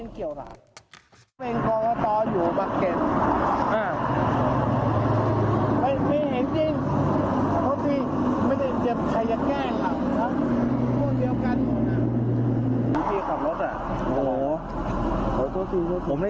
เกี่ยวหลังผมอะ